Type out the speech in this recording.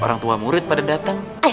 orang tua murid pada datang